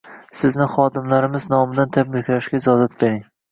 Sizni xodimlamiz nomidan tabriklashga ijozat bering.